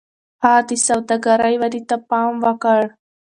هغه د سوداګرۍ ودې ته پام وکړ.